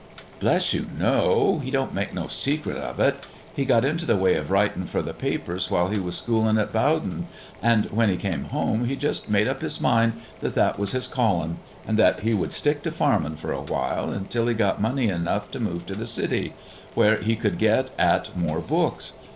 "Bless you, no; he don't make no secret of it. He got into the way of writin' for the papers while he was schoolin' at Bowdoin, and when he came home he just made up his mind that that was his callin', and that he would stick to farmin' for a while until he got money enough to move to the city, where he could get at more books.